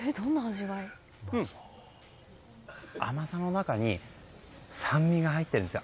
うん、甘さの中に酸味が入っているんですよ。